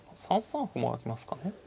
３三歩もありますかね。